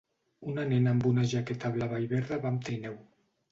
Una nena amb una jaqueta blava i verda va amb trineu.